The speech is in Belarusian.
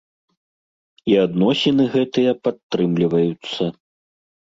І адносіны гэтыя падтрымліваюцца.